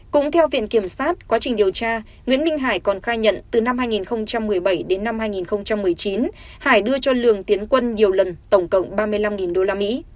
cũng theo viện kiểm sát quá trình điều tra nguyễn minh hải còn khai nhận từ năm hai nghìn một mươi bảy đến năm hai nghìn một mươi chín hải đưa cho lường tiến quân nhiều lần tổng cộng ba mươi năm usd